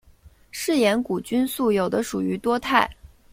嗜盐古菌素有的属于多肽。